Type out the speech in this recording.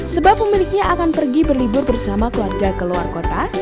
sebab pemiliknya akan pergi berlibur bersama keluarga ke luar kota